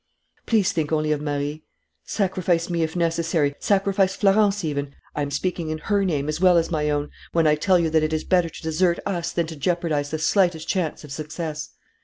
"Please think only of Marie. Sacrifice me, if necessary. Sacrifice Florence even. I am speaking in her name as well as my own when I tell you that it is better to desert us than to jeopardize the slightest chance of success."